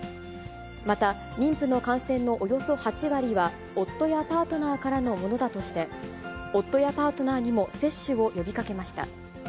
また、妊婦の感染のおよそ８割は、夫やパートナーからのものだとして、夫やパートナーにも接種を呼びかけました。